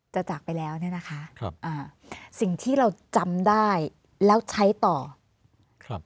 จากไปแล้วเนี่ยนะคะครับอ่าสิ่งที่เราจำได้แล้วใช้ต่อครับ